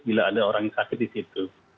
bila ada orang yang sakit di situ